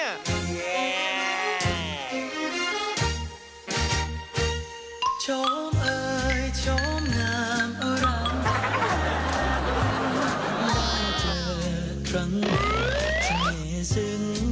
เย่